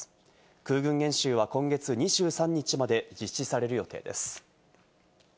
空軍演習は今月２３日まで実施される予定です。